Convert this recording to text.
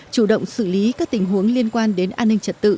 chủ động xử lý các tình huống liên quan đến an ninh trật tự